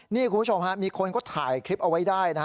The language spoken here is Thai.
นี่คุณผู้ชมฮะมีคนก็ถ่ายคลิปเอาไว้ได้นะฮะ